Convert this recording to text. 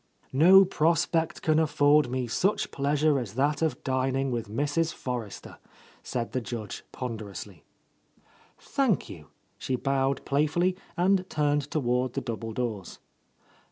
"No prospect can afford me such pleasure as that of dining with Mrs. Forrester," said the Judge ponderously. "Thank you !" she bowed playfully and turned toward the double doors.